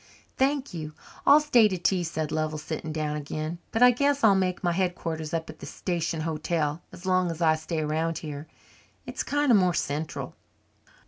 "Thank you, I'll stay to tea," said Lovell, sitting down again, "but I guess I'll make my headquarters up at the station hotel as long as I stay round here. It's kind of more central."